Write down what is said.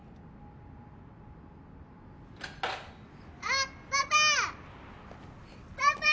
あっパパ！